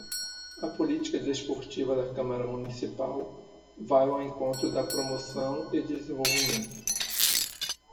A política desportiva da Câmara Municipal vai ao encontro da promoção e desenvolvimento.